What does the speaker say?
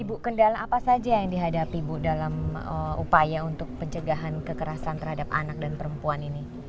ibu kendala apa saja yang dihadapi ibu dalam upaya untuk pencegahan kekerasan terhadap anak dan perempuan ini